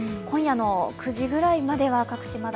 今夜の９時くらいまでは各地